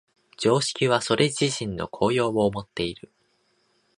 常識はそれ自身の効用をもっている。